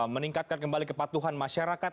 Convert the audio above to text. meningkatkan kembali kepatuhan masyarakat